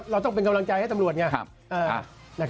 เราต้องเป็นกำลังใจให้ตำรวจไง